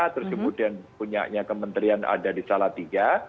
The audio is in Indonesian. terus kemudian punya kementerian ada di salatiga